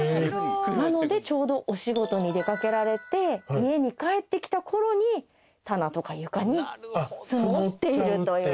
なのでちょうどお仕事に出かけられて家に帰ってきた頃に棚とか床に積もっているという。